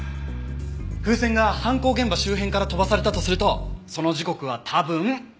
風船が犯行現場周辺から飛ばされたとするとその時刻は多分。